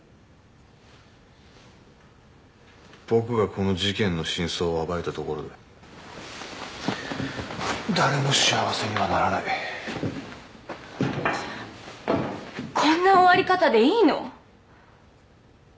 僕がこの事件の真相を暴いたところで誰も幸せにはならないこんな終わり方でいいの？